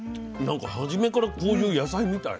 初めからこういう野菜みたい。